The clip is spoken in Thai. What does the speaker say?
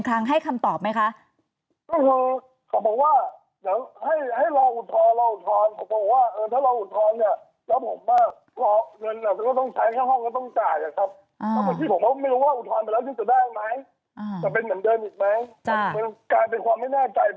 ทุกอย่างใบขับขี่สาธารณะอะไรต่างกันไม่จริงเป็นแมงท้อ๒ครับ